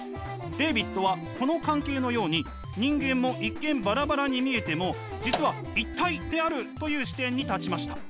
レーヴィットはこの関係のように人間も一見バラバラに見えても実は一体であるという視点に立ちました。